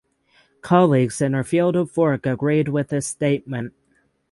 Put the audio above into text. Colleagues in her field of work agreed with this statement.